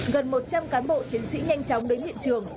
gần một trăm linh cán bộ chiến sĩ nhanh chóng đến hiện trường